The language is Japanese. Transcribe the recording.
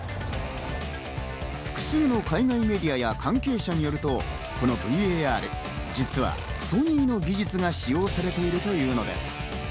複数の海外メディアや関係者によると、このＶＡＲ、実はソニーの技術が使用されているというのです。